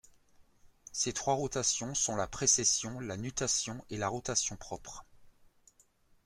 Ces trois rotations sont la précession, la nutation et la rotation propre.